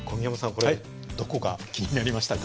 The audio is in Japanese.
これどこが気になりましたか？